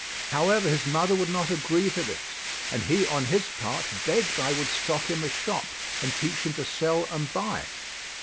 [FN#37] However, his mother would not agree to this, and he on his part begged I would stock him a shop and teach him to sell and buy."